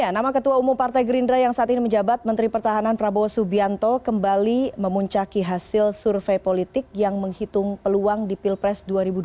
nama ketua umum partai gerindra yang saat ini menjabat menteri pertahanan prabowo subianto kembali memuncaki hasil survei politik yang menghitung peluang di pilpres dua ribu dua puluh